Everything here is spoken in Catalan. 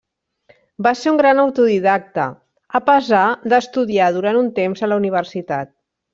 Va ser un gran autodidacte, a pesar d'estudiar durant un temps a la universitat.